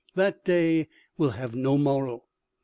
That day will have no morrow."